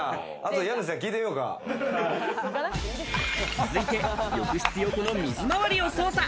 続いて、浴室横の水回りを捜査。